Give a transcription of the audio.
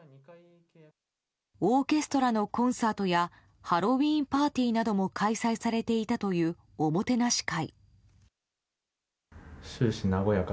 オーケストラのコンサートやハロウィーンパーティーなども開催されていたというおもてなし会。